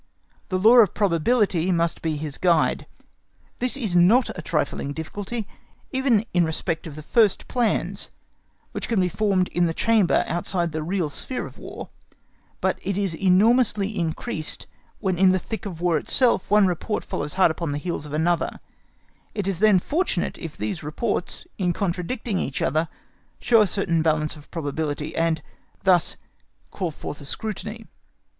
The law of probability must be his guide. This is not a trifling difficulty even in respect of the first plans, which can be formed in the chamber outside the real sphere of War, but it is enormously increased when in the thick of War itself one report follows hard upon the heels of another; it is then fortunate if these reports in contradicting each other show a certain balance of probability, and thus themselves call forth a scrutiny.